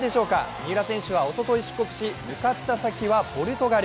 三浦選手はおととい出国し、向かった先はポルトガル。